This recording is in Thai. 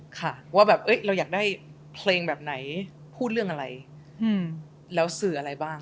ค่ะว่าแบบเราอยากได้เพลงแบบไหนพูดเรื่องอะไรแล้วสื่ออะไรบ้าง